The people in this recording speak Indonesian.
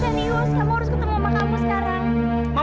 kamu harus ketemu mama kamu sekarang